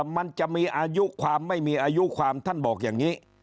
มันจะมีอายุความไม่มีอายุความท่านบอกอย่างนี้